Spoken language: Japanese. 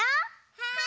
はい！